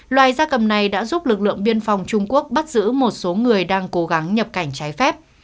loài gia cầm này đã giúp lực lượng biên phòng trung quốc bắt giữ một số người đang cố gắng nhập cảnh trái phép